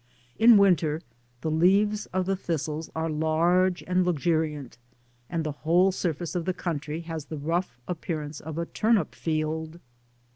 In winter the leaves of the thistles are large and luxuriant, and the whole surface of the country has the rough appearance of a turnip field.